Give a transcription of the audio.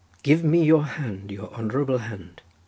Give me your hand, your honourable hand.